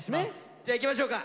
じゃあいきましょうか。